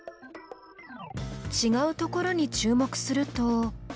ちがうところに注目すると。